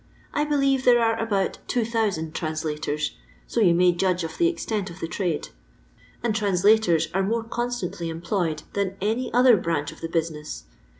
I beUeve there are about 2000 translators, so you may judge of the extent of the trade ; and translators are more constantly employed than any other branch of the businesi.